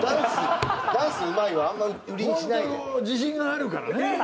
ホント自信があるからね。